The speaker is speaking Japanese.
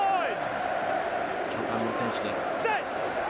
巨漢の選手です。